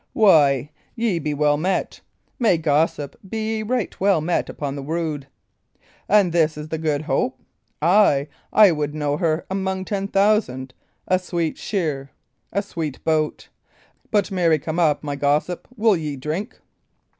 "Why, ye be well met; nay, gossip, ye be right well met, upon the rood! And is that the Good Hope? Ay, I would know her among ten thousand! a sweet shear, a sweet boat! But marry come up, my gossip, will ye drink?